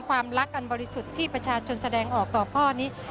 ความรักอันบริสุทธิ์ที่ประชาชนแสดงออกต่อพ่อนี้